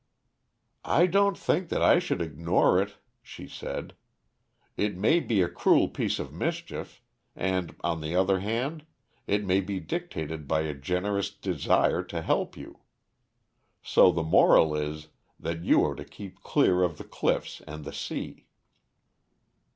"I don't think that I should ignore it," she said. "It may be a cruel piece of mischief; and, on the other hand, it may be dictated by a generous desire to help you. So the moral is that you are to keep clear of the cliffs and the sea."